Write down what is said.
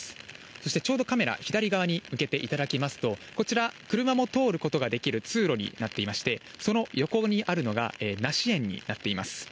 そしてちょうどカメラ、左側に向けていただきますと、こちら、車も通ることができる通路になっていまして、その横にあるのが梨園になっています。